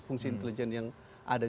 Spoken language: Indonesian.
fungsi intelijen yang ada